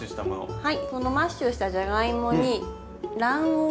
はい。